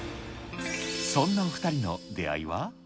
そんな２人の出会いは？